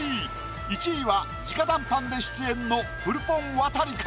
１位は直談判で出演のフルポン亘か？